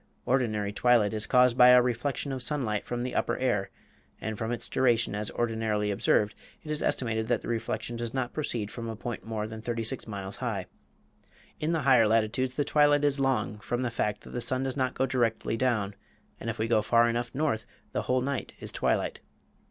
Ordinary twilight is caused by a reflection of sunlight from the upper air; and from its duration as ordinarily observed it is estimated that the reflection does not proceed from a point more than thirty six miles high. In the higher latitudes the twilight is long, from the fact that the sun does not go directly down, and if we go far enough north the whole night is twilight.